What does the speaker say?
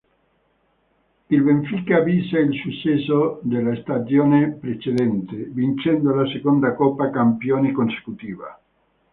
Il Benfica bissa il successo della stagione precedente, vincendo la seconda Coppa Campioni consecutiva.